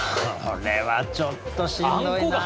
これはちょっとしんどいな。